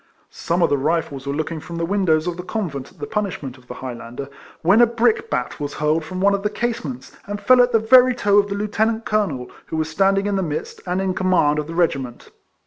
Some of the Rifles were looking from the windows of the convent at the punishment of the Highlander, when a brickbat was hurled from one of the casements, and fell at the very toe of the lieutenant colonel, who was standing in the midst, and in command of the regiment.